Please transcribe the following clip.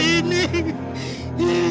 saya benar benar gak nyangka